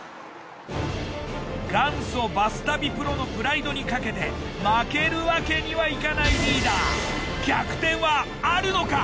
元祖バス旅プロのプライドにかけて負けるわけにはいかないリーダー。